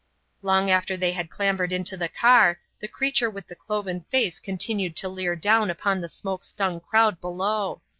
Long after they had clambered into the car, the creature with the cloven face continued to leer down upon the smoke stung crowd below.